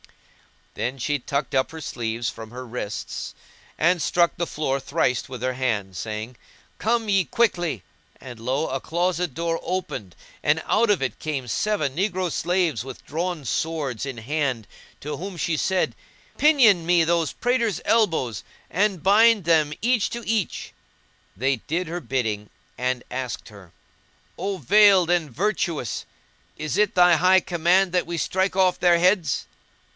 Then she tucked up her sleeves from her wrists and struck the floor thrice with her hand crying, "Come ye quickly;" and lo! a closet door opened and out of it came seven negro slaves with drawn swords in hand to whom she said, "Pinion me those praters' elbows and bind them each to each." They did her bidding and asked her, "O veiled and virtuous! is it thy high command that we strike off their heads?"